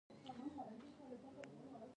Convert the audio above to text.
بډایه هیوادونه د مرستو او پورونو طریقه کاروي